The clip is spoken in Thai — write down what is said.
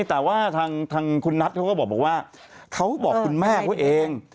แต่ว่าทางคุณนัทเขาก็บอกว่าเขาก็บอกคุณแม่เขาเอง